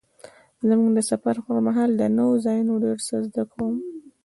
زه د سفر پر مهال له نوو ځایونو ډېر څه زده کوم.